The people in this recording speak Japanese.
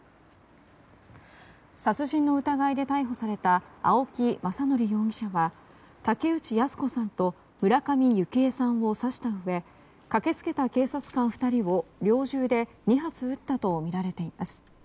殺人の疑いで逮捕された青木政憲容疑者は竹内靖子さんと村上幸枝さんを刺したうえ駆け付けた警察官２人を猟銃で２発撃ったとみられています。